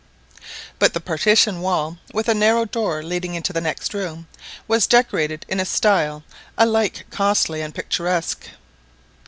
But the partition wall, with a narrow door leading into the next room, was decorated in a style alike costly and picturesque.